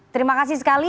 terima kasih sekali